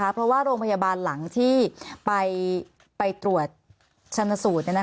เพราะว่าโรงพยาบาลหลังที่ไปตรวจชนสูตร